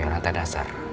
tapi yang lantai dasar